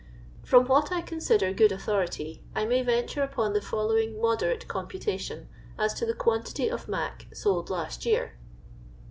From what I consider good authority, I may venture upon the following moderate computation as to the quantity of " mac " sold last year.